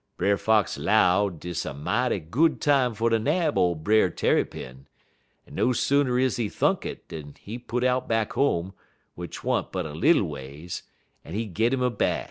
Brer Fox 'low dis a mighty good time fer ter nab ole Brer Tarrypin, en no sooner is he thunk it dan he put out back home, w'ich 't wa'n't but a little ways, en he git 'im a bag.